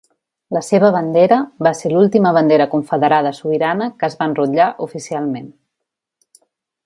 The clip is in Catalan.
La seva bandera va ser l'última bandera confederada sobirana que es va enrotllar oficialment.